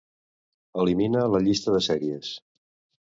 Elimina la llista de sèries.